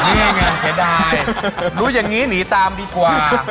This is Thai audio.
นี่ไงเสียดายรู้อย่างนี้หนีตามดีกว่า